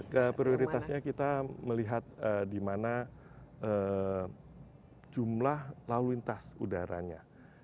ya prioritasnya kita melihat di mana jumlah lalu lintas udaranya